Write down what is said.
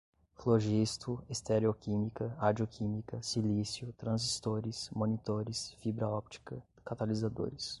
flogisto, estereoquímica, radioquímica, silício, transistores, monitores, fibra óptica, catalisadores